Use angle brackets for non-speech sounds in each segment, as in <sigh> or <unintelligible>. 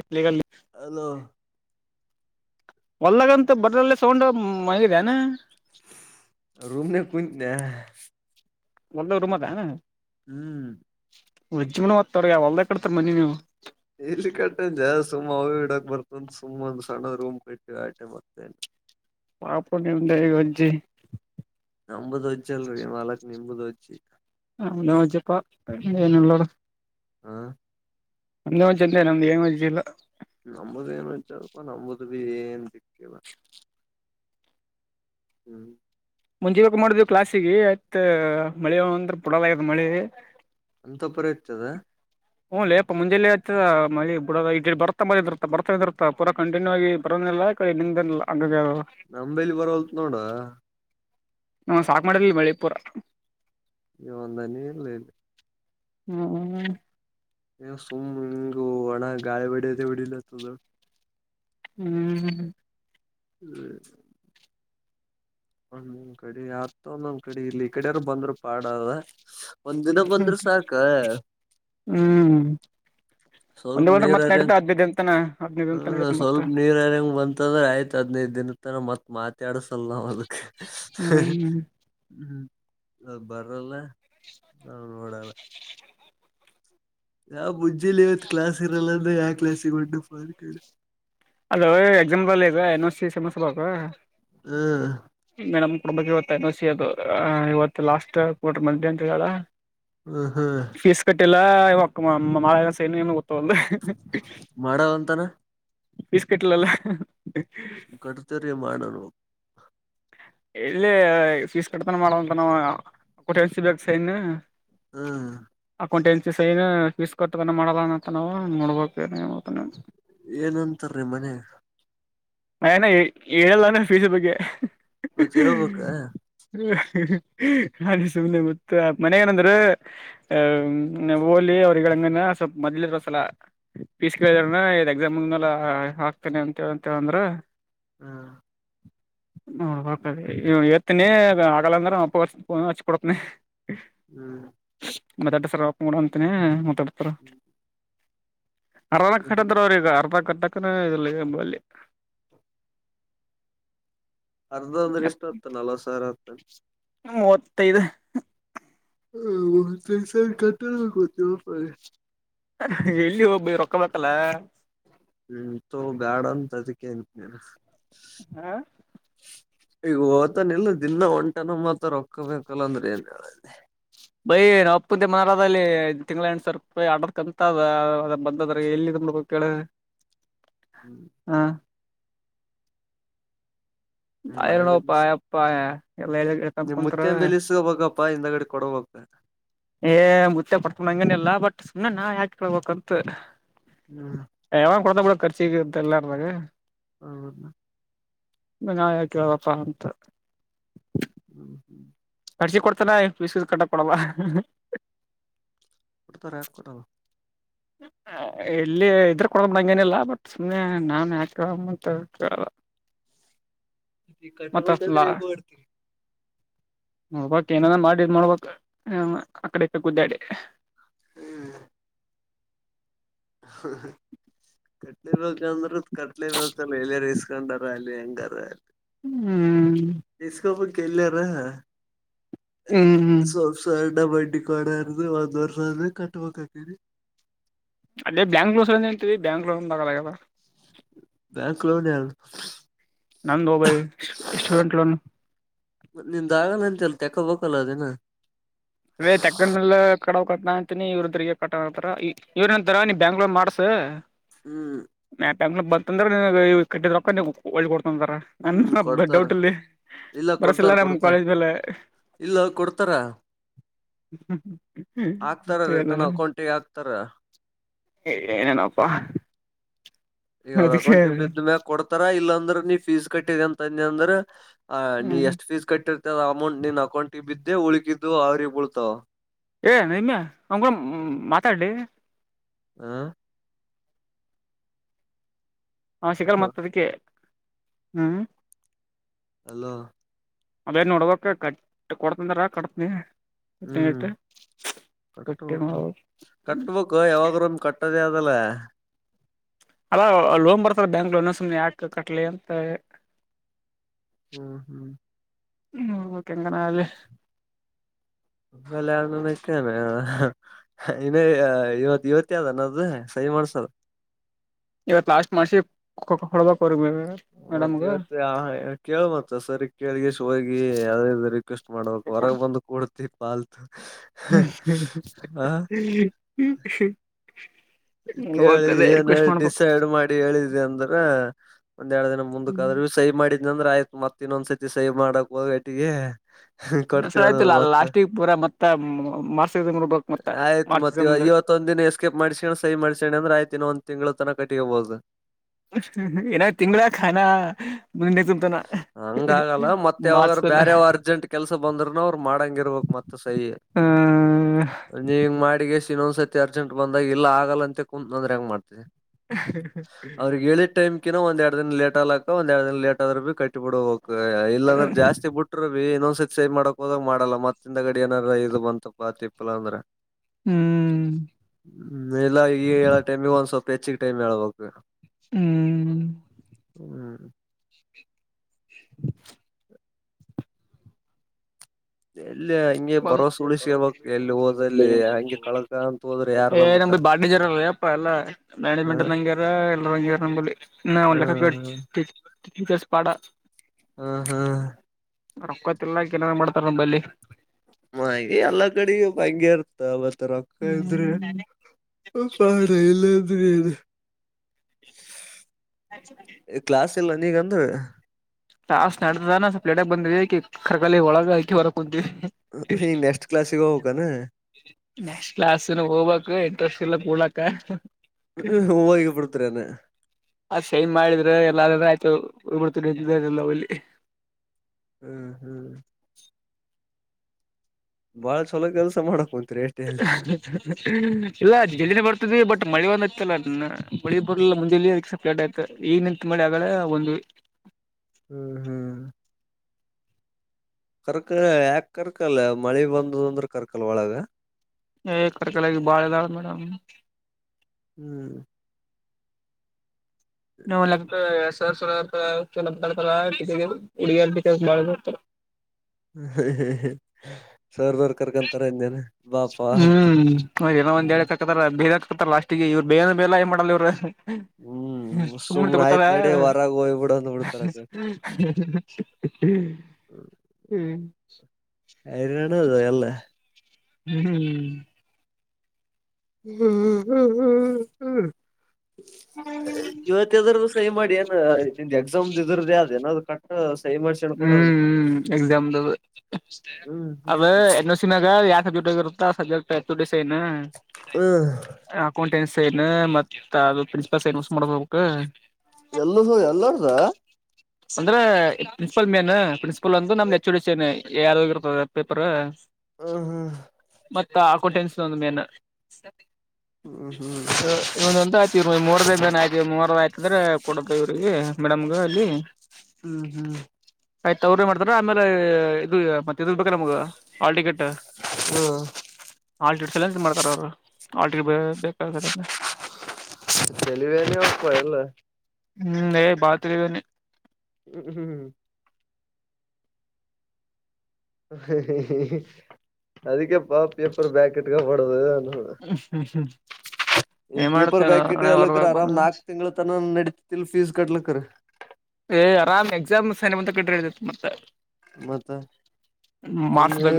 ಎಲಗ <unintelligible> hello, ಹೊಲ್ಲಗಂತ ಬಡ್ರಲ್ಲಿ sound ಮಲಗಿದನಾ ರೂಮರೆ ಕುಂ <unintelligible> ಒಳ್ಳೆ ರೂಮ ಅ <inaudible> <unintelligible> ಹ್ಮ್, ಉಜ್ಮುನ <unintelligible> ಹೊತ್ತವ್ರಿಗೆ ಅವ ಹೊದ ಕಡ್ತೀರ ಮನ್ನಿ ನೀವು. ಎಲ್ಲಿ ಕಟ್ಟಂದ ಜಾಸ್ತಿ ಸುಮ್ ಅವು-ಇವು ಇಡಕ್ ಬರ್ತಂತ ಸುಮ್ ಒಂದ್ ಸಣ್ಣ ರೂಮ್ ಕಟ್ಟ ಆಟೆ ಬರ್ತೇನ. ಪಾಪ ನಿ ಉದ ಈಗಜಿ <unintelligible> ನಂಬುದ ವಜ್ಜಿಲರಿ ಮಾಲಕ್ ನಿಂಬದ್ ವಜ್ಜಿ. ಹ ನೋಜಪ್ಪಾ ಎಏನರ <unintelligible> ಹಾ, ಅಂದ ನಮ್ ಏಂಗ ವಿಲ್ಲ <unintelligible> ನಮ್ಮದ ಏನುಚರಪ್ಪ ನಮ್ಮದು ಬಿ ಏನ್ ದಿಕ್ಕಿಲ್ಲ ಹ್ಮ್ ಮುಂಜಿವಕ್ ಮಾಡಿದವಿ ಕ್ಲಾಸಿಗೆ ಆಯ್ತ್ ಮಳೆ ಅಂದ್ರ ಕೊಡಲ ಆಗದ ಮಳಿ ಅಂತಾಪರಿ ಐತದ ಹುಂ ಲೇಪಾ ಮುಂಜೆಲೇ ಆಯತದ ಮಳಿ ಬಿಡ ಇ ಬರ್ತ ಮರ್ತ ಬರ್ತಾ ಇದಿರ್ತಾ ಪೂರಾ ಕಂಟಿನ್ಯೂ ಆಗಿ ಬರೋದಿಲ್ಲ ನಿ ನಂಬ್ಲಿ ಬರವಲ್ತ್ ನೋಡ ನಾವ ಸಾಕು ಮಾಡಿಲ್ಲಿ ಮಳಿಪುರ <unintelligible> ಹ್ಮ ಸುಮ್ ಹಂಗ ಒಣ ಗಾಳಿಬಡಿಯದೆ ಹೊಡಿಲತದ ಹ್ಮ್ ಹ್ಮ್ ಒಂದೊಂದ್ ಕಡೆ ಆತ ಒಂದೊಂದ್ ಕಡೆ ಇಲ್ಲಿ ಈ ಕಡಾರರು ಬಂದ್ರು ಪಾಡ ಅದ ಒಂದಿನ ಬಂದ್ರ ಸಾಕಾ ಹ್ಮ್ ಸ್ವಲ್ಪ ಒಂದೇ ಬಂದ್ರ ನೀರ್ ಮತ್ ಹರಂಗ ನಡೀತಾ ಹದ್ನೈದು ದಿನ ತನ ಹದ್ನೈದು ದಿನ ತನ ಹ ನಡೀತ ಮತ್ತ ಸ್ವಲ್ಪ ನೀರ್ ಹರ್ಯಂಗ ಬಂತದ್ರೆ ಆಯ್ತು ಹತ್ತು ಹದ್ನೈದು ದಿನ ತನ ಮತ್ ಮಾತಾಡಸಲ್ಲ್ ಅದಕ್ಕ ಹ್ಮ್ ಹ್ಮ್ ಅ ಬರಲ್ಲ ನ ನೋಡಲ್ಲ ಯಾವ ಬುಜ್ಜಲಿ ಇವತ್ ಕ್ಲಾಸ್ ಇರಲ್ಲ ಅಂದ್ರ ಯಾವ ಕ್ಲಾಸಿಗೆ ಉಟು ಪರ್ ಅದ ಎಕ್ಸಾಮಂಪಲ್ ಇದೆ ಎನ್ ಸಿ ಸೆಮಸ್ರ್ ಬಾಕ್ ಹ್ಮ್ ಮೇಡಮ್ ಕೊಡಬೇಕ್ ಇವತ್ತ ಎನ್ ಓ ಸಿ ಅದು ಇವತ್ತು ಲಾಸ್ಟ್ ಕೊಡ್ರಿ ಮಧ್ಯಾಹ್ನ ಅಂತ ಹೇಳಾರ ಹ್ಮ ಹಾ ಫೀಸ್ ಕಟ್ಟೆ ಇಲ್ಲಾ ಇವ ಮಳ ಸಹಿನ್ ಏನು ಏನು ಗೊತ್ತಲ್. ಮಾಡವಂತಾನ ಪೀಸಕಟ್ಲಿಲ್ಲ ಕರ್ಟರಿ ಮಾಡೋಣ ಇಲ್ಲೇ ಫೀಸ್ ಕಡ್ತನ ಮಾಡುವಂತ ನಾ ಕೊಟನ್ಸಬೇಕ ಸೈ ಇನ್ನು. ಹ್ಮ್ ಅಕೌಂಟ ಎನ್ಸಿ ಸೈನ್ ಫೀಸ್ ಕಟ್ಟುತನ ಮಾಡೋಲ್ಲ ಅಂತಾ ನಾವು ನೋಡ್ಬೇಕು. ಏನ್ಂತಾರೀ ಮನ್ಯಾ ಗ್ ಮನ್ಯಾಗ ಹೇಳಲ್ಲ ಅಂದ್ರ್ ಫೀಸ್ ಬಗ್ಗೆ. ಮತ್ ಹೇಳ್ಬೇಕ ಸುಮ್ನೆ ಮತ್ತ ಮನ್ಯಾಗ ಏನಂದ್ರು. ಆ ಹೋಗ್ಲಿ ಅವ್ರಗಳಂಗನ್ನ ಸ್ವಲ್ಪ ಮೊದ್ಲಿರುವ ಸಲ. ಪೀಸ್ ಕೇಳಾನ ಇ ಎಕ್ಸಾಮ್ ಮ್ಯಾಲೆ ಹಾಕ್ತಾನೆ ಅಂತಂತ ಅಂದ್ರ್. ಹ್ಮ್ <inaudible> ನ ಹೇಳ ತನಿ ಆಗಲ್ಲಾಂದ್ರೆ ಅಪ್ಪ ಫೋನ್ ಹಚ್ ಕೊಡ್ತನಿ. ಹ್ಮ್ ಮಾತಾಟ ಸರ್ ವಾಪಸ್ ಮಾಡ ಅಂತೀನಿ ಮಾತಾಡ್ತಾರ್. ಹ್ಮ್ ಅರ್ಧ ಕಟ್ಟದ್ರ ಅವ್ರ ಈಗ ಅರ್ಧ ಕಟ್ಟಕ ಇ ಎಂಬಲ್ಲಿ. ಅರ್ಧ ಅಂದ್ರೆ ಎಷ್ಟು ಆತ್ತದ ನಲವತ್ತು ಸಾವಿರ ಆತದನ ಮೂವತ್ತೈದು ಸರಿ ಕಟ್ಟಿಡ್ಬೇಕು ಗತ್. <unintelligible> ಎಲ್ಲಿ ಒಬ್ಬ ರೊಕ್ಕೊಹೋಟಲ್ಲ‌. ಹ್ಮ್ ಬ್ಯಾಡ ಅಂತಾ ಅದಕ್ಕೆೇಂತ ನೀನ್ ಹಾ ಈಗ ಓತಾನೆಲ್ಲ ದಿನ ಒಂಟನ್ ಮಾತ್ರ ರೊಕ್ಕೊಬೇಕಲ್ಲ ಅಂದ್ರೆ ಏನ್ ಹೇಳೆ ಬೈ ನಾಮ್ಮ್ ಅಪ್ಪಂದ ಮ್ಯಾಲ್ ಅಲ್ಲಿ ತಿಂಗಳ ಎಂಟ ಸವರ ಆರ್ಡರ್ ಕಂತ ಅದ ಬಂದದ್ರ ಎಲ್ಲಿದ ಕೊಡಬೇಕ <unintelligible> <inaudible> ಹಾ ನಿಮ್ ಮಾಯ <unintelligible> ನೋಪ್ಪ ಬೆಲಿಸ ಅಪ್ಪ ಎಲ್ಲಾ ನಿಮ್ ಹೇಳಳ್ತನ್ಕಂತ <inaudible> ಮುತ್ಯನ್ ಬೆಲಿಸಬೇಕಪ್ಪಾ ಹಿಂದಗಡೆ ಕೊಡಬೇಕ ಏ ಮುುತ್ತ ಪಡ್ತೊಂಡ ಹಂಗನಲ್ಲಾ ಬಟ್ ಸುಮ್ಮ್ನೆ ನಾ ಯಾಕೆಳ್ಬೇಕಂತ ಹ್ಮ್ ಯಾವಾಗ್ ಕೊಡ್ತ ಬಿಡ ಖರ್ಚಗ ಇತ್ತ ಎಲ್ಲಾರದಾಗ <unintelligible> ನಾಯಿ ಹಾಕೇಳಾರಪ್ಪಾ ಅಂತ. <inaudible> <unintelligible> ಕೊಡ್ತಾರೆ ಕೊಡ ಅವ್ರ್ <inaudible> ಎ ಇಲ್ಲಿ ಇದ್ರ ಕೊಡಂಗ ನಿಲ್ಲ ಬಟ್ ಸುಮ್ನೆ ನಾನ ಯಾಕ ಕೇಳ ಅಂತ ಕೇಳಲ್ಲ ಅಂತಾ ಈ <inaudible> ಮೊತ್ತ ಹಚ್ಚತೆನ ಅಲ್ಲ ಕಟ್ಟಬೇಕಂದ್ರೆ ಹೇಗೋ ಆಡ್ತೀರಿ ಒಟ್ಟ ಏನ್ರ ಮಾಡಿ ಇದ ಮಾಡಬೇಕು ಅಕಡೆ ಈಕಡೆ ಕುದ್ದ್ಯಾಡಿ ಹ್ಮ್ <unintelligible> ಕಟ್ಲೆ ಬೇಕ ಅಂದ್ರ ಕಟ್ಲೆ ಬೇಕತಲ್ಲ ಎಲ್ಲ ರಸ್ ಇನ್ನೊಂದ್ ರ ಆಗಲಿ ಹೆಂಗರ ಆಗಲಿ ಹ್ಮ್ ಇಸ್ಕೊಬೇಕ್ ಎಲ್ಲರ ಹ್ಮ್ ಹ್ಮ್ <inaudible> ಡಬ್ಬಲ್ ಡಿಕೋರಿ ಯಾರದ್ ಒಂದ ವರ್ಷಾ ಆದಮೇಲೆ ಕಟ್ಟಬೇಕ ಅಂತಾ ಅಂದಿನಿ ಅಲ್ಲಿ ಬ್ಯಾಂಗ್ಳೂರ್ ಸತಿ ಎಂತೀ ಬ್ಯಾಂಗ್ರ <unintelligible> ಬ್ಯಾಂಕ್ಲೋ ಡಾನ್ಸ್ ನಂದೋ ಬೈ <unintelligible> ನಿಂದ್ ಆಗಲ್ಲ ಅಂತೆಲ್ಲ ತೆಕೋಬೇಕಲ್ಲ ಅದೇನ ಇ ತೆಕ್ಕಂಡ ಕಡವ ಕಟ್ಟನ ಅಂತೀನಿ ಇವ್ರದಿಗೆ ಕಟ್ಟತಾರ ಇವ್ರ ಅಂತಾರ ನೀ್ ಬ್ಯಾಂಗ್ಳೂರ್ ಮಾಡ್ಸ. ಹ್ಮ್ ಯಾಕಅಂದ್ರ್ ಬಂತಂದ್ರ ಕಟ್ಟಿದ ರೊಕ್ಕಾ ನಿಂಗೆ ಹೊಳ್ಳಿ ಕೊಡತೀನಿ ಅಂತರ್ ಹ್ಮ್ ಅಂದ ಬ ಕೊಡ್ತಾರ ಡೌಟ್ ಇಲ್ಲಿ ಇಲ್ಲ ಕೊಡ್ತಾರ ಬರಸಿಲ್ಲ ನಮ್ ಕೊಡ್ತಾರ ಕಾಲೇಜ್ ಮೇಲೆ ಇಲ್ಲ ಕೊಡ್ತಾರ. <inaudible> ಆಕ್ತಾರ ಎಲ್ಲ ರಿಟರ್ನ್ ಅಕೌಂಟಗೆ ಹಕ್ತಾರ.. ಏನೇನಪ್ಪಾ.. ಈಗ ಅವ್ರ ಅದಕ್ಕೆ ಅಕೌಂಟ್ ಬಿದ ಮ್ಯಾಗ ಕೊಡ್ತಾರ ಇಲ್ಲಾಂದ್ರೆ ನೀ ಫೀಸ್ ಕಟ್ಟಿದ ಅಂತಂದಿ ಅಂದ್ರ ಹ ನೀ ಹ್ಮ್ ಎಷ್ಟು ಫೀಸ್ ಕಟ್ಟಿರ್ತ ಅ ಅಮೌಂಟ್ ನಿನ್ ಅಕೌಂಟಿಗೆ ಬಿದ್ದೆ ಉಳಗಿದ್ದು ಅವ್ರಿಗೆ ಬಳ್ತಾವ. ಏ ನಿಮ್ಮೆ ಅವ್ನ ಕೂಡ ಮಾತಾಡ್ಲ ಹಾ ಅವ ಸಿಗಲ್ಲ ಅಲೋ ಮತ್ತ ಅದಕ್ಕೆ <inaudible> ಹ್ಮ್ ಹಲೋ ಅದೇನ್ ನೋಡ್ಬ ಕಟ್ಟ ಕೊಡ್ತಂದರ ಕಟ್ತನಿ. ಹ್ಮ್ ಹಟ್ಟ ಕಟ್ಟಿ ಮಾಡ <unintelligible> ಅ ಯಾವಾಗ ರೂ ಒಂದ್ ಕಟ್ಟೋದೇ ಅದಲ್ಲ ಅಲ್ಲ ಲೋನ್ ಬರ್ತಾದೆ ಬ್ಯಾಂಕ್ ಲೋನ್ ಸುಮ್ಮನೆ ಯಾಕ ಕಟ್ಲಿ ಅಂತ ಹ್ಮ್ ಹ್ಮ್ ಹ್ಮ್ ಇವಕ್ ಎಂಗರ ಆಗ್ಲಿ ಲ್ಲ ಅ ನಕ್ಕಾನ <unintelligible> ಇನ್ನು ಇವತ್ ಇವತ್ತ ಅದನ್ನದ ಸಹ ಮಾಡ್ಸದು ಇವತ್ ಲಾಸ್ಟ್ ಮಾಡಸಿ ಕೊ ಕೊಡ್ಬಕ್ ಅವ್ರ್ಗೆ ಮತ್ತ ಇವತ್ತ ಆ ಕೇಳ ಮತ್ತ ಸರಿ ಕೇಳಗೆ ಎಷ್ಟು ಹೋಗಿ ಯಾವ ರಿಕ್ವೆಸ್ಟ್ ಮಾಡ್ಬೇಕು ಹೊರಗೆ ಬಂದು ಕೊಡ್ತಿ ಪಲ್ತ ಹ್ಮ <inaudible> ಕೇಳಿ ಏನ್ ಡಿಸೈಡ್ ಮಾಡಿ ಹೇಳಿದಿ ಅಂದ್ರ ಒಂದ್ ಎರಡ್ ದಿನ ಮುಂದಕ್ಕೆ ಆದ್ರೂ ಇನ್ನೊಂದ್ಸಲ ಸಹಿ ಮಾಡಿದ್ ಅಂದ್ರೆ ಆಯ್ತು ಮತ್ತ ಇನ್ನೊಂದ್ಸತಿ ಸಹಿ ಮಾಡಕ್ ಹೋಗ ವೊತ್ತಿಗೆ ಸ ಆಯ್ತಿಲ್ಲ ಲಾಸ್ಟಿ ಪೂರ ಮತ್ತ ಮಾರ್ಚ್ ಸೀಸನ್ ನಡ್ಬೇಕಕ್ ಮತ್ತ ಮಾರ್ಚ್ ಸೀಸನ್ಂದ್ರೆ ಮತ್ತ ಒಂದಿನ ಎಸ್ಕೇಪ್ ಮಾಡಿಸ್ಕೊಂಡೆ ಸಹಿ ಮಾಡ್ಸ್ಕೊಂಡ್ರೆ ಅಯ್ತು ಇನ್ನ ಒಂದ್ ತಿಂಗಳು ತನ ಕಟ್ಕೊಬೋದು ಏನ ತಿಂಗಗಳ ನೆತಾನ <unintelligible> ಹಂಗ ಆಗಲ್ಲ ಮತ್ತೆ ಯಾವಾಗರು ಬೇರೆ ಯಾವ್ ಅರ್ಜೆಂಟ್ ಕೆಲ್ಸ ಬಂದ್ರರುನ ಅವ್ರು ಮಾಡಂಗ ಇರ್ಬಕ್ ಮತ್ತ ಸಹಿಯ ಹ ನೀವ ಹಂಗ ಮಾಡಿಗೆಷ್ಟ ಇನ್ನೊಂದ್ಸರ್ತಿ ಅರ್ಜೆಂಟ್ ಬಂದಾಗ ಇಲ್ಲ ಆಗಲ್ಲ ಅಂತೆ ಕುಂತ್ ಅಂದ್ರೆ ಹೆಂಗ ಮಾಡ್ತರಿ ಅವ್ರಿಗ್ ಹೇಳಿದ ಟೈಮ್ ಕಿನ ಒಂದ ಎರಡು ದಿನ ಲೇಟ್ ಆಗ್ಲಕ ಒಂದ್ ಎರಡು ದಿನ ಲೇಟ್ ಆದ್ರರು ಕಟ್ಟಿ ಬಿಡ ಹೋಗಿ ಇಲ್ಲಾಂದ್ರೆ ಹ್ಮ್ ಜಾಸ್ತಿ ಬಿಟ್ಟ ಟ್ರು ಇನ್ನೊಂದ್ಸತಿ ಸೈನ್ ಮಾಡಕ್ ಹೋದಾಗ್ ಮಾಡಲ್ಲ ಮತ್ತಿಂದ ಗಡಿ ಏನಾರ ಇದು ಬಂತಪ್ಪಾ ತಿಪ್ಪಲ್ಲ ಅಂದ್ರೆ ಹ್ಮ್ ಹ್ಮ್ ಎಲ್ಲ ಈಗ ಹೇಳ ಟೈಮಗ ಒಂದ್ ಸ್ವಲ್ಪ ಹೆಚ್ಚಿಗೆ ಟೈಮ್ ಹೇಳ್ಬಬೇಕು ಹ್ಮ್ ಹ್ಮ್ <inaudible> ಎಲ್ಲಿ ಹಂಗೆ ಬ <unintelligible> ಭರವಸೆ ಉಳಿಸ್ಕೇಬೇಕ್ ಎಲ್ಲಿ ಹೋದಲ್ಲಿ ಹಂಗೆ ಕಳಕ ಅಂತ ಹೋದ್ರೆ ಯಾರ್ ಏ ನಮ್ ನಂಬತಾರ ಬಾಲಿಜಾರ ಅಪ್ಪ ಎಲ್ಲಾ ಹ ಮ್ಯಾನೇಜ್ಮೆಂಟ್ ನಂಗ್ಯಾರ ಎಲ್ಲರ ಹಂಗ್ಯಾರ ನಮ್ಮಲ್ಲಿ ನಾ ಹ್ಮ್ ಒಲ್ಲಲೆಕ್ಕಾ ಪಾ <unintelligible> ಹ್ಮ್ ಹ್ಮ್ ರೊಕ್ಕೊತಿನ್ನಕ್ ಏನಾರ ಮಾಡ್ತಾರ ನಮ್ಮಲ್ಲಿ ಮೆ ಎಲ್ಲಾ ಕಡೊ ಹಂಗೆ ಇರ್ತ ಮತ್ ರೊಕ್ಕ ಇದ್ರೆ ಪಡ ಇಲ್ಲ್ದ <unintelligible> ಅ <inaudible> ಕ್ಲಾಸ್ ಇಲ್ಲ ನನಿಗಂತೂ ಟಕ್ಲಾಸ್ ಸ ನಡ್ಡದೇನಾ ಸ್ವಲ್ಪ ಲೇಟ್ ಆಗಿ ಬಂದ್ವಿಕಿ ಕರ್ಕಾಲ ಒಳಗ ಆಕಿ ಹೊರ ಕುಂತೀವಿ ಹ ನೆಕ್ಸ್ಟ್ ಕ್ಲಾಸಗೆ ಹೋಗ್ಬೇಕೆನಾ ನೆಕ್ಸ್ಟ್ ಕ್ಲಾಸಿಗೆ ಹೋಗ್ಬೇಕು ಇಂಟ್ರೆಸ್ಟ್ ಇಲ್ಲ ಕೂಡಕ ಹ್ಮ್ ಹ ಹೋಗಿ ಬಿಡ್ತರನೆ ಅಷ್ಟ ಸೇನ ಮಾಡಿದ್ರೆ ಎಲ್ಲಾರೂ ಆಯ್ತು ಹೋಗಬಡ್ತಂತಲ್ಲಲ್ಲಿ ಹ್ಮ್ ಹ್ಮ್ ಬಾಳ ಚಲೋ ಕೆಲ್ಸ ಮಾಡಕ್ಂತ್ರಿ ಎಷ್ಟ್ ಹಾಗೆ <inaudible> ಇಲ್ಲ ಜಲ್ದಿನೆ ಬರ್ತ್ವಿ ಬಟ್ ಮಳೆ ಒಂದ ಇತ್ತಲ್ಲ ಮಳಿ ಬರ್ಲಲ್ಲ ಮುಂಜೆಲ್ಲಿ ಅದ ಸ್ಟಾರ್ಟ್ ಆಯತ ಈಗ ನಿಂತ ಮಾಳಿ ಆಗಲೆ ಒಂದು ಹ್ಮ್ ಹ್ಮ್ ಕರ್ಕ ಯಾಕ ಕರ್ಕಲ್ಲ ಮಳಿ ಬಂದದ ಅಂದ್ರೆ ಕರ್ಕಲ್ಲ ಒಳಗ ಏ ಕರ್ಕಳಲ್ಲ ಬಾಳ ಇದದಾಳ ಮೇಡಮ್ ಹ್ಮ್ ನವು ಸ ಸರ ಚ ಉಡಿ ಬಳ <unintelligible> ಸರ್ ಬರ್ ಕರ್ಕಂತರ ಇನ್ನೇನು ಬಾಪಾ ಅಂತ ಏನೋ ಒಂದ್ ಹೇಳಿ ಹ ಬೇ ಹಕತ ಲಾಸ್ಟ್ ಇವ್ ಬೇ ಬೇಾ ಏ ಮಾಡಲ ಇವ್ <unintelligible> ಸುಮ್ನೆ ತಗೋತಾಳ ಆಯ್ತ್ ನಡಿ ಹೊರಗ ಹೋಗ್ಬಿಡು ಅಂದ್ ಬಿಡ್ತಾರ ಹ್ಮ್ ಅರುಣಾದು ಎಲ್ಲ ಹ್ಮ್ ಹ್ಮ್ ಹ್ಮ್ ಹ್ಮ್ ಇವತ್ತು ಮತ್ತದ್ರದು ಸಹ ಮಾಡಿ ಏ ಎಕ್ಸಾಮ್್ದ ಇದ್ರದ್ದ ಯ್ದ್ ನ್ ಕ ಸಹಿ ಮಾಡಿಸಿ ಹ್ಮ್ ಎಕ್ಸಾಮ್ದ್ ಅದು ಹ್ಮ್ ಹ್ಮ್ ಅದು ನಗರ ಯಾಕ ಜೋಡ ಇರುತ್ತ ಸದ್ಯಡ ಸ ನ ಹ್ಮ್ <unintelligible> ಅಕೌಂಟೆನ್ಸ್ ಏನು ಮತ್ತ ಅದು ಪ್ರಿನ್ಸಿಪಲ್ ಸಹಿ ಏನ್ ಮಡ್ಸ್ ಕೊಡ್ಬೇಕು ಎಲ್ಲದು ಎಲ್ಲರ್ದ ಅಂದ್ರೆ ಪ್ರಿನ್ಸಿಪಲ್ ಮೇನ್ ಪ್ರಿನ್ಸಿಪಲ್ ಅಂದು ನಮ್ದ ಎಚ್ ಒ ಡಿ ಸೈನ್ ಹಾ ಯ್ದಾಗ ಇರ್ತದ ಪೇಪರ್ ಹ್ಮ್ ಹ್ಮ್ <unintelligible> ಮತ್ತ ಅಕೌಂಟೆನ್ಸ್ ಒಂದು ಮೇನ್ ಹ್ಮ್ ಹ್ಮ್ ಇವ ಆ ಮೂರ್ದ ಮೇ ಆಯತಿ ಮೂರ್ದ ಆಯ್ತಂದ್ರೆ ಕೊಡ ಇವ್ರರಿಗೆ ಮಡಮ್ಗ ಅಲ್ಲಿ ಹ್ಮ್ ಹ್ಮ್ ಆಯ್ತು ತವ್ರ ಮಾಡ್ತಾರ ಆಮೇಲೆ ಇದು ಮದ್ಯದಲ್ಲಿ ಇದ ಬೇಕ್ರ ನಮ್ಗ ಆಲ್ ಟಿಕೆಟ್ ಹಾ ಆಾಲ್ಟ್ರಿಡ್ ಸೆಲೆಕ್ಟ್ಮಾಡ್ತಾರೆ ಅವರು ಹಾಲ್ಟಿಕೆಟ್ ಬೇಕಾದವರಿಗೆ ತಾಳಿಬ್ಯಾನಿಯಪ್ಪಾ ಎಲ್ಲ ಹ್ಮ್ ಲೇ ಬಹಳ ತಲಿ ಬ್ಯಾನಿ ಹ್ಮ್ ಹ್ಮ್್ಮ ಅದಕ್ಕೆಪ್ಪಾ ಪೇಪರ್ ಬ್ಯಾಕೆಟ್ಗ ಬಾರ್ದು ಅನ್ನೊದು ಅ <unintelligible> ಈ ಪೇಪರ್ ಬ್ಯಾಕೆಟ್ಲಕ ಬಂದ ಆರಾಮ್ ನಾಕಕ್ ತಿಂಗಗಳುಗಳ ತನ ನಡೀತಿಲ್ ಫೀಸ್ ಕಟ್ಲಕ್ರ ಏ್ ಆರಾಮ್ ಎಕ್ಸಾಮ್ ಸಂತ ಕಟ್ಟದೈತ್ತು ಮತ್ತೆ ಮತ್ತ ಸುಮ್ರ ಮಾರ್ಚ್ದಾಗ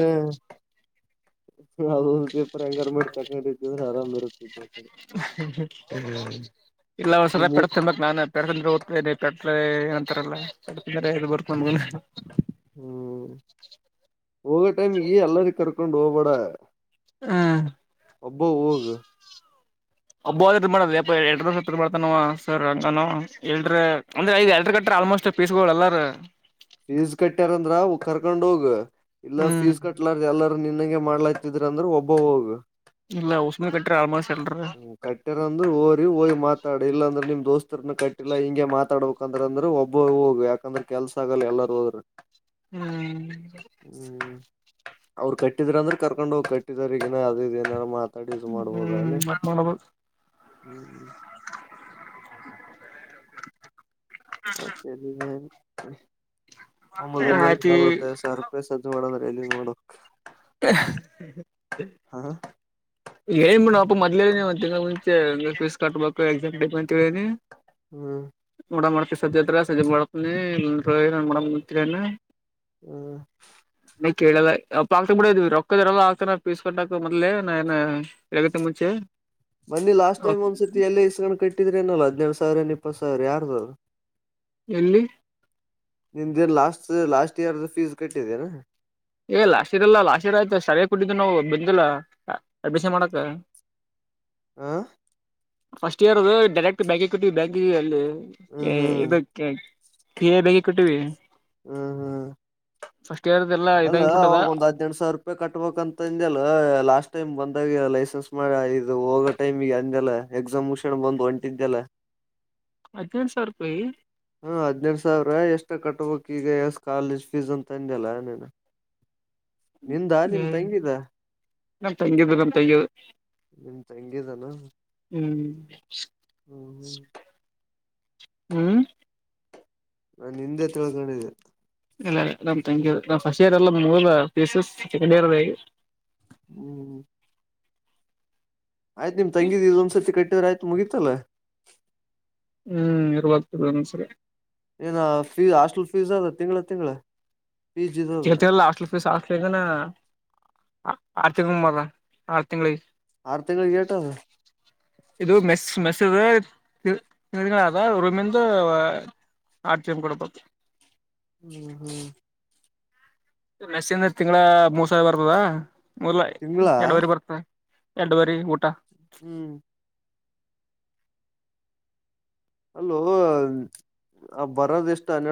ನ ಒಂದ್ ಪೇಪರ್ ಹೆಂಗಾರ ಮಾಡಿ ತಕೊಂಡತಿದ್ರೆ ಆರಾಮ್ ಇರುತ್ತೆ ಇಲ್ಲ ಒಸವಲ್ ಪಡ ನಿಮ್ಮೂರ್ ತಿನ್ಬೇಕ್ ನಾನ್ ಪರ್ ತಂದ್ರೆ ದ್ತನೆ ಪ ಏನಂತಾರಲ್ಲ ಪ ತಂದ್ರೆ ಬರ್ಕೊಂಡ್ <unintelligible> ಹ್ಮ್ ಹೋಗೋ ಟೈಮ್ ಈ ಎಲ್ಲರ್ನ್ನು ಕರ್ಕೊಂಡು ಹೋಗ್ಬೇಡ ಹ್ಮ್ ಅಬ್ಬೋ ಹೋಗ ಒಬ್ಬ ಮಾಡ ಎಡ ಮಾಡ್ತಾನ ಸರ್ ಹಂಗ ಎಲ್್ರ <unintelligible> ಅಂದ್ರೆ ಐ್ ಎಲ್ರು ಕಟ್ರ ಆಲ್ಮೋಸ್ಟ್ ಪೀಸ್ಗಳು ಎಲ್ಲಾರ ಫೀಸ್ ಕಟ್ಟ್ಯಾರಂದ್ರ ಕರ್ಕೊಂಡ್ ಹೋಗ ಇಲ್ಲ ಹ್ಮ್ ಫೀಸ್ ಕಟ್ಲಾರ ಎಲ್ಲಾರ ನಿನಗೆ ಮಾಡ್ಲಾತಿದ್ರ ಅಂದ್ರೆ ಒಬ್ಬ ಹೋಗ್ ಇಲ್ಲ ಉಷಮೆ ಬಿಟ್ರ ಆಲ್ ಮೋಸ್ಟ ಎಲ್ರನ್ನು. ಹ ಕಟ್ಟ್ಯರಂದ ಹಓರಿ ಹೋಗಿ ಮಾತಾಡಿ ಇಲ್ಲಾಂದ್ರೆ ನಿಮ್ ದೋಸ್ತರನ್ನ ಕಟ್ಟಿಲ್ಲಾ ಹಿಂಗೆ ಮಾತಾಡ್ಬೇಕ ಯಾಕಂದ್ರ ಅಂದ್ರೆ ಒಬ್ಬ ಹೋಗ ಯಾಕಂದ್ರೆ ಕೆಲ್ಸ <unintelligible> ಎಲ್ಲಾರ ಹೋದ್ರ ಹ್ಮ್ ಹ್ಮ್. ಅವ್ರು ಕಟ್ಟಿದ್ರ ಅಂದ್ರೆ ಕರ್ಕೊಂಡ್ ಹೋಗಿ ಕಟ್ಟಿದ ಈಗಾ ಅದ ಇದ ಏನಾರ ಮಾತ <unintelligible> ಮಾಡ್ಬೋದ ಹ್ಮ್ ಅಲ್ಲಿ ಮತ್ ಮಾಡ್ಬೇಕು ಹ್ಮ್. <unintelligible> <unintelligible> ಆಯ್ತಿ ಮಾಡಂದ್ರೆ ಎಲ್ಲಿ ಮಾಡೋಕ್. <unintelligible> ಹಾ. ಏನ ಅಪ್ಪ ಮದ್ಲೇನಿ ಒಂದ ತಿಂಗಳ ಮುಂಚೆ ಫೀಸ್ ಕಟ್ಬೇಕು ಎಕ್ಸಾಮ್ ಡೇಟ್ ಅಂತನಿ. ಹ್ಮ್. ಮಡ ಮಾಡ್ತವಿ ಸದ್ಯತ್ರ ಸದ್ಯ ಮಾಡ್ತನಿ. <unintelligible> ಹ್ಮ. ನೀ ಕೇಳಲ್ಲ ಅ ಆಕ್ತಕ್ ಬಿಡಿದ್ ರೊಕ್ಕದ ಎಲ್ಲಾ ಆಗ್ತಾನ ಪೀಸ್ಕೊಂಡಕ್ ಮದ್ಲೆ ನ ಇದಕಿ ಮುಂಚೆ. ಬನ್ನಿ ಲಾಸ್ ಟಮ್ ಒಂದ್ಸತಿ ಎ ಇಸ್ಕೊಂಡ್ ಕಟ್ಟಿದ್ರ ಏನಲ್ಲ ಹದಿನರಡ್ ಸಾವಿರ ಇಪ್ಪತ್ತ್ ಸಾವರ ಯಾರದ ಅದ್. ಎಲ್ಲಿ. ನಿಮ್ದ ಲಾಸ್ಟ್ ಲಾಸ್ಟ್ ಇಯರ್ ಫೀಸ್ ಕಟ್ಟಿದೇನಾ. ಏ ಲಾಸ್ಟ್ ಇಯರ್ ಎಲ್ಲ ಲಾಸ್ಟ್ ಇಯರ್ ಆಯ್ತು ಸರಿಯ ಕೊಟ್ಟಿದ್ದು ನಾವು ಬಂದಿಲ್ಲ ಅಡ್ಮಷನ್ ಮಾಡಕ್. ಹಾ. ಫಸ್ಟ್ ಇಯರ್ ಅದು ಡೈರೆಕ್ಟ್ ಬ್ಯಾಂಕ್ ಕಟ್ಟೆವ ಬ್ಯಾಂಕ್ ಅಲ್ಲಿ. ಹ್ಮ್ ಹ್ಮ್ <unintelligible> ಕಟ್ಟಿವಿ. ಹ್ಮ್ ಹ್ಮ್. ಫಸ್ಟ್ ಇಯರ್ದೆಲ್ಲ. ಅಲ್ಲ ಅವವಾಗ ಒಂದ್ <unintelligible> ಸಾವಿರ ರೂಪಾಯಿ ಕಟ್ಬೇಕಕ್ ಅಂತ ಅಂದ ಲಾಸ್ಟ್ ಟೈಮ್ ಬಂದಾಗ ಲೈಸೆನ್ಸ್ ಮಾಡ ಇದು ಹೋಗ ಟೈಮಿಗೆ ಅಂದಲ್ಲಾ ಎಕ್ಸಾಮ್ ಮುಗಸ್ಕೊಂದ ಬಂದು ಹೊಂಟಿದ್ದೆಲ್ಲ. ಹದಿನೆಂಟ ಸಾವಿರ ರೂಪಾಯಿ. ಹಾ ಹದನೆಂಟ ಸಾವಿರ ಎಷ್ಟ ಕಟ್ಬಕ್ ಈಗ ಕಾಲೇಜ್ ಫೀಸ್ ಅಂತ ಅಂದಲ್ಲ ನನ ಹ್ಮ್ ತಂಗಿದ ನಮ್ಮ್ ತಂಗಿದ್ರಿ ತಂಗಿದ. ನಿಮ್ ತಂಗಿದನ. ಹ್ಮ್. ಹ್ಮ್ ಹ್ಮ್. ಹ್ಮ್. ನಾನ ನಿಂದೆ ತಿಳ್ಕೊಂಡಿದ್ದಿದೆ. ಇಲ್ಲ ಇಲ್ಲ ನಮ್ ತಂಗಿದ ಫಸ್ಟ್ ಇಯರ್ ಎಲ್ಲ <unintelligible> ಸೆಕೆಂಡ್ ಇಯರ್ ಹ್ಮ್. ಆಯ್ತ ನಿಮ್ ತಂಗಿದ ಇದೊಂದ್ರ್ತಿ ಕಟ್ಟಿದ್ರ ಆಯ್ತ ಮುಗಿತಲ್ಲ. ಹ್ಮ್ ಇರ್ಬೆಕ್ ಇದೊಂದ ಸರಿ. ಇದ ಫೀ ಹಾಸ್ಟೆಲ್ ಫೀಸ್ ಅದ ತಿಂಗಳ ತಿಂಗಳ. ಫೀಸ್ ಇದ ಕೇಳ್ತಲ್ಲ ಹಾಸ್ಟಲ್ ಫೀಸ್ ಹಾಸ್ಟಲ್ ಆರ್ರು ತಿಂಗಳ ಮರ ಆರ್ ತಿಂಗಳಿಗೆ. ಆರು ತಿಂಗಳಿಗೆ ಎಟ ಅದ. ಇದು ಮೆಸ್ ಮೆಸ ತಿ ತಿಂಗಳದ ಅದ ರೂಮಿಂದ <unintelligible> ಹ್ಮ್ ಹ್ಮ್ ಮೇಸ್ಂದ ತಿಂಗಳ ಮೂರ್ ಸಾವಿರ ಬರ್ತದ ಮೊದಲ ತಿಂಗಳ ಎರಡುವರೆ ಬರ್ತ ಎಡವರಿ ಊಟಾ ಹ್ಮ್ ಅಲೋ ಆ ಬರೋದ ಎಷ್ಟ ಅನ್ನಡ